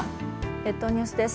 列島ニュースです。